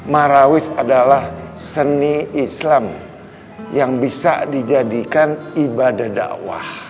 marawis adalah seni islam yang bisa dijadikan ibadah dakwah